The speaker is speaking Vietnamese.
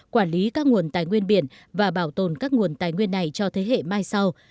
quản lý các nguồn tài nguyên biển và bảo tồn các nguồn tài nguyên này cho thế hệ mai sau